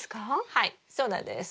はいそうなんです。